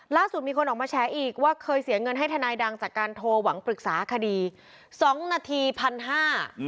ล่าสุดมีคนออกมาแฉอีกว่าเคยเสียเงินให้ทนายดังจากการโทรหวังปรึกษาคดีสองนาทีพันห้า